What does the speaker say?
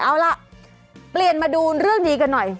เอาล่ะเปลี่ยนมาดูเรื่องนี้กันหน่อย